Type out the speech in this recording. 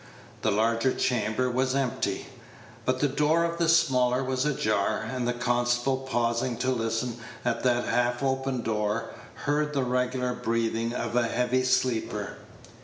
The larger Page 128 chamber was empty; but the door of the smaller was ajar; and the constable, pausing to listen at that half open door, heard the regular breathing of a heavy sleeper.